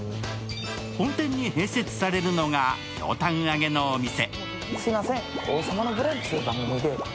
本店に併設されるのがひょうたん揚げのお店。